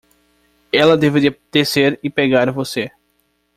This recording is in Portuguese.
Ela deveria descer e pegar você.